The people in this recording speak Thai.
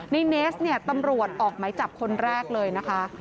ในเนสเนี่ยตำรวจออกไหมจับคนแรกเลยนะคะ